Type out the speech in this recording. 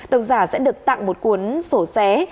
đồng giả sẽ được tặng một cuốn sổ xé